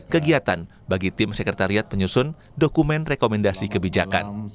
kegiatan bagi tim sekretariat penyusun dokumen rekomendasi kebijakan